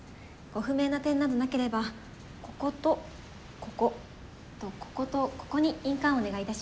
ご不明な点などなければこことここあとこことここに印鑑をお願いいたします。